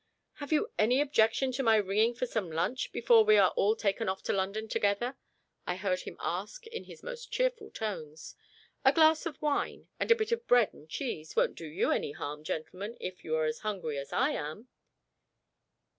"Have you any objection to my ringing for some lunch, before we are all taken off to London together?" I heard him ask in his most cheerful tones. "A glass of wine and a bit of bread and cheese won't do you any harm, gentlemen, if you are as hungry as I am."